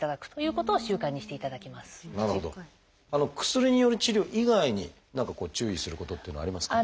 薬による治療以外に何かこう注意することっていうのはありますか？